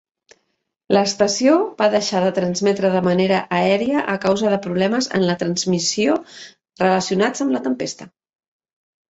L'estació va deixar de transmetre de manera aèria a causa de problemes en la transmissió relacionats amb la tempesta.